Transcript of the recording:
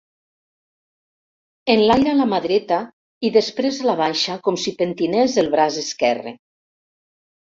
Enlaira la mà dreta i després l'abaixa com si pentinés el braç esquerre.